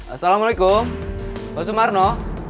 assalamualaikum basu marno